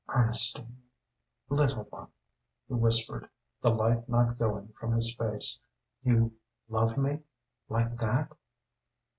"Ernestine little one," he whispered, the light not going from his face "you loved me like that?"